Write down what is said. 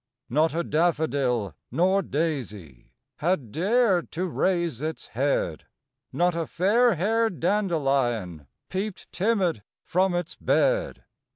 Not a daffodil nor daisy Had dared to raise its head; Not a fairhaired dandelion Peeped timid from its bed; THE CROCUSES.